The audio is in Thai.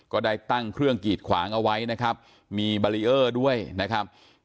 ก็ได้ตั้งเครื่องกีดขวางเอาไว้นะครับมีบารีเออร์ด้วยนะครับ